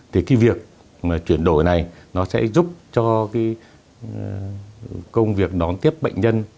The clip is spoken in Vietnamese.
thì việc chuyển đổi này sẽ giúp cho công việc đón tiếp bệnh nhân